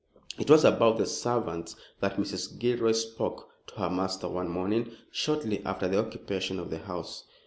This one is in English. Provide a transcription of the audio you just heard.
It was about the servants that Mrs. Gilroy spoke to her master one morning shortly after the occupation of the house.